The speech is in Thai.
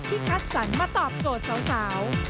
คัดสรรมาตอบโจทย์สาว